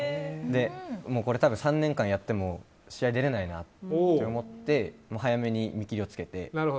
これ多分、３年間やっても試合出られないなと思って早めに見切りをつけて。